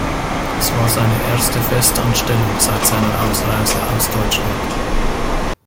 Es war seine erste Festanstellung seit seiner Ausreise aus Deutschland.